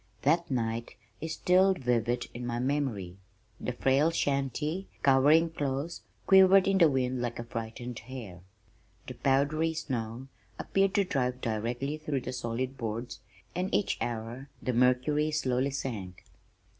That night is still vivid in my memory. The frail shanty, cowering close, quivered in the wind like a frightened hare. The powdery snow appeared to drive directly through the solid boards, and each hour the mercury slowly sank.